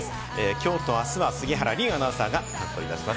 今日と明日は杉原凜アナウンサーが担当いたします。